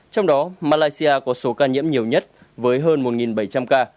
trong đó malaysia có số ca nhiễm nhiều nhất với hơn một bảy trăm linh ca